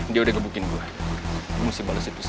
dia udah gebukin gue